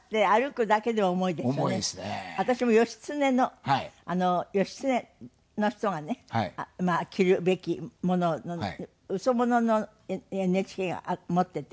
私も義経の義経の人がね着るべきものを嘘もののをＮＨＫが持ってて。